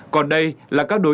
còn đây là các đối tượng tội